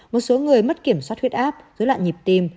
một số người mất kiểm soát huyết áp dưới loạn nhịp tiêm